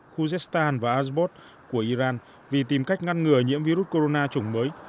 khu zestan và asbot của iran vì tìm cách ngăn ngừa nhiễm virus corona chủng mới